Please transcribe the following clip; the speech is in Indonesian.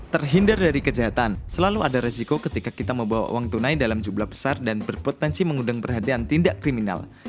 terhindar dari kejahatan selalu ada resiko ketika kita membawa uang tunai dalam jumlah besar dan berpotensi mengundang perhatian tindak kriminal